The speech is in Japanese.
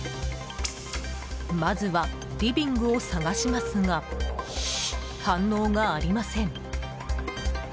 まずは、リビングを探しますが反応がありません。